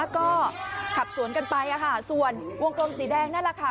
ก็ขับสวนกันไปส่วนวงกลมสีแดงนั่นแหละค่ะ